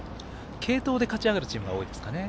継投で勝ち上がるチームが多いですかね。